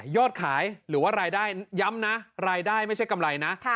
ขายหรือว่ารายได้ย้ำนะรายได้ไม่ใช่กำไรนะ